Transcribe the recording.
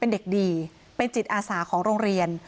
เป็นเด็กดีเป็นจิตอาสาของโรงเรียน